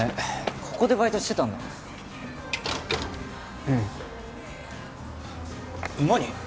ここでバイトしてたんだうん何？